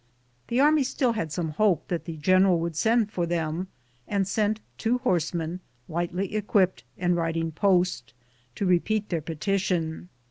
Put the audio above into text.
The army still had some hope that the general would send for them, and sent two horsemen, lightly equipped and riding post, to repeat their petition.